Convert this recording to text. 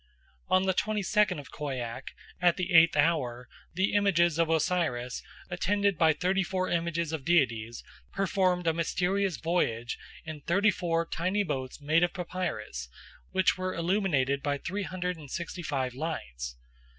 '" On the twenty second of Khoiak, at the eighth hour, the images of Osiris, attended by thirty four images of deities, performed a mysterious voyage in thirty four tiny boats made of papyrus, which were illuminated by three hundred and sixty five lights.